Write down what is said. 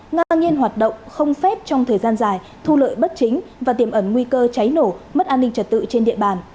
ngang nhiên hoạt động không phép trong thời gian dài thu lợi bất chính và tiềm ẩn nguy cơ cháy nổ mất an ninh trật tự trên địa bàn